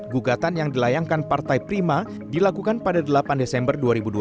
gugatan yang dilayangkan partai prima dilakukan pada delapan desember dua ribu dua puluh